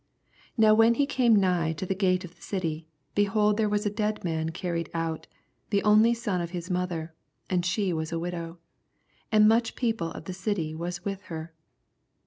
12 Now when he came nigh to the Sate of the city, behold there was a ead man carried out, the only son of his mother, and she was a widow : and much people of the city was with her.